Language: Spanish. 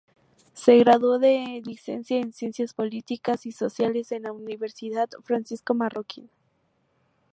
Se graduó de licenciada en Ciencias Políticas y Sociales en la Universidad Francisco Marroquín.